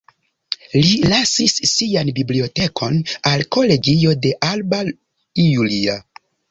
Li lasis sian bibliotekon al kolegio de Alba Iulia.